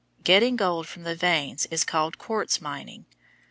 Getting gold from the veins is called quartz mining.